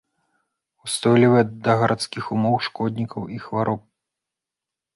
Устойлівыя да гарадскіх умоў, шкоднікаў і хвароб.